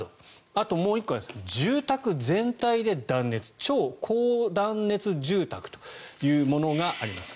あともう１個が住宅全体で断熱超高断熱住宅というものがあります。